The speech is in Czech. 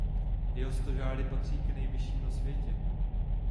Jeho stožáry patří k nejvyšším na světě.